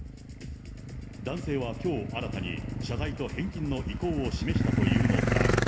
男性はきょう新たに、謝罪と返金の意向を示したというのだが。